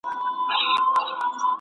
که ښځې سوداګري وکړي نو بې وزلي به نه وي.